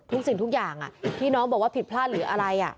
สิ่งทุกอย่างที่น้องบอกว่าผิดพลาดหรืออะไร